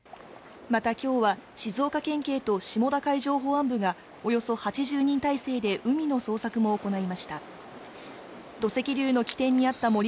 またきょうは、静岡県警と下田海上保安部がおよそ８０人態勢で海の捜索も行いました。